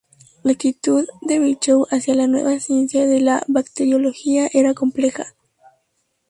La actitud de Virchow hacia la nueva ciencia de la Bacteriología era compleja.